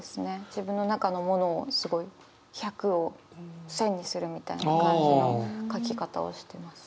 自分の中のものをすごい１００を１，０００にするみたいな感じの書き方をしてます。